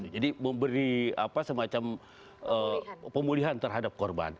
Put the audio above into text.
jadi memberi semacam pemulihan terhadap korban